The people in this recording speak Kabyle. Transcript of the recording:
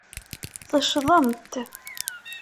Teccḍemt.